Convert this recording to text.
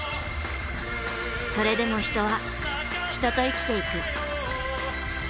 それでも人は人と生きていく。